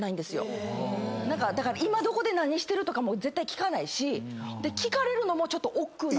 今どこで何してるとかも絶対聞かないし聞かれるのもちょっとおっくう。